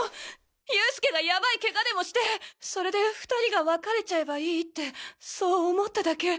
佑助がヤバい怪我でもしてそれで２人が別れちゃえばいいってそう思っただけ！